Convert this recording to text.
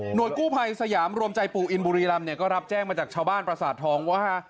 กู้ภัยสยามรวมใจปู่อินบุรีรำเนี่ยก็รับแจ้งมาจากชาวบ้านประสาททองว่า